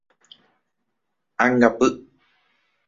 Ãngapy.